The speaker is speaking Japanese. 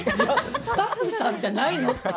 スタッフさんじゃないの？って。